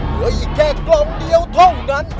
เหลืออีกแค่กล่องเดียวเท่านั้น